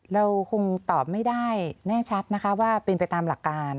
เราคงตอบไม่ได้แน่ชัดนะคะว่าเป็นไปตามหลักการ